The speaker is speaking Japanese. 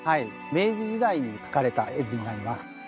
明治時代に描かれた絵図になります。